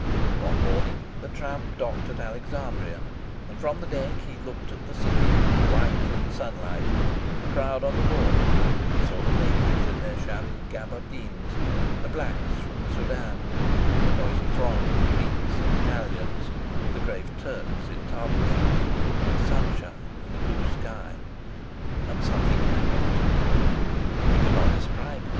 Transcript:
One morning the tramp docked at Alexandria, and from the deck he looked at the city, white in the sunlight, and the crowd on the wharf; he saw the natives in their shabby gabardines, the blacks from the Soudan, the noisy throng of Greeks and Italians, the grave Turks in tarbooshes, the sunshine and the blue sky; and something happened to him. He could not describe it.